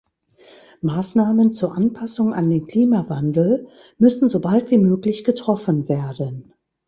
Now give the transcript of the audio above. Maßnahmen zur Anpassung an den Klimawandel müssen so bald wie möglich getroffen werden.